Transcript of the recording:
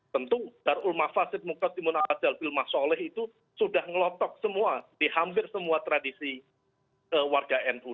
tentu darul mafasid mukaddimuna ajal bilma sholeh itu sudah ngelotok semua di hampir semua tradisi warga nu